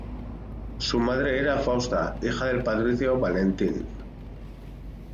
Su madre era Fausta, hija del patricio Valentín.